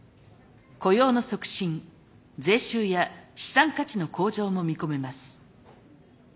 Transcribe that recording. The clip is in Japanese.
雇用の促進税収や資産価値の向上も見込めます。